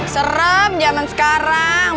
serem zaman sekarang